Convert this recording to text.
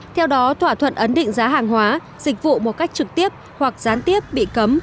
theo đó thỏa thuận ấn định giá hàng hóa dịch vụ một cách trực tiếp hoặc gián tiếp bị cấm